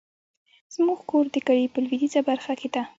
زمونږ کور د کلي په لويديځه برخه کې ده